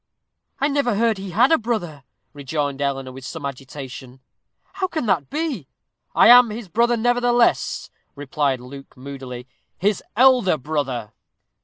"I never heard he had a brother," rejoined Eleanor, with some agitation. "How can that be?" "I am his brother, nevertheless," replied Luke, moodily "his ELDER BROTHER!"